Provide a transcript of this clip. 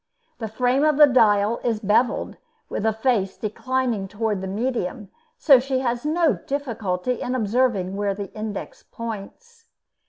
The frame of the dial is beveled, the face declining toward the medium, so that she has no difficulty in observing where the index points.